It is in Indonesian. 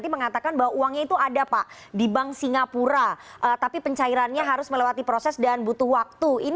penyidik dari polda sumatera selatan